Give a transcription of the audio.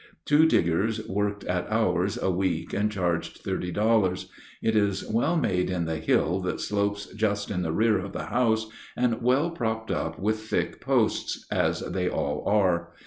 Two diggers worked at ours a week and charged thirty dollars. It is well made in the hill that slopes just in the rear of the house, and well propped with thick posts, as they all are.